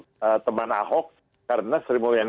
itu adalah keuntungan